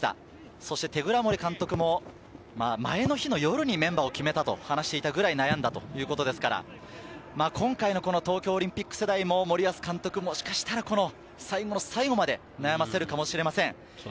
そして手倉森監督も前の日の夜にメンバーを決めたと話していたぐらい悩んだということですから、今回の東京オリンピック世代も森保監督、もしかしたら最後の最後まで悩ませるかもしれません。